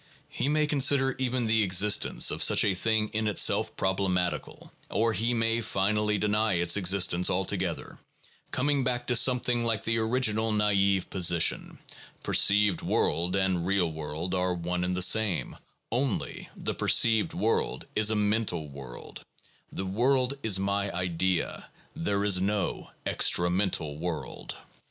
He may consider even the existence of such a thing in itself problematical, or he may finally deny its existence altogether, coming back to something like the original naive position: perceived world and real world are one and the same; only, the perceived world is a mental world : the world is my idea ; there is no extra mental world.